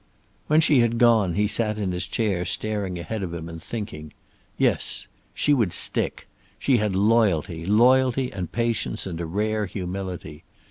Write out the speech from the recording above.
When she had gone he sat in his chair staring ahead of him and thinking. Yes. She would stick. She had loyalty, loyalty and patience and a rare humility.